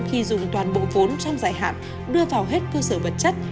khi dùng toàn bộ vốn trong dài hạn đưa vào hết cơ sở vật chất